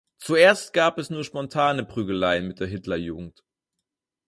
Zuerst gab es nur spontane Prügeleien mit der Hitler-Jugend.